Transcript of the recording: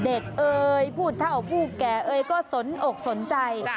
เด็กเอ๊ยพูดเท่าผู้แก่เอ๊ยก็สนอกสนใจ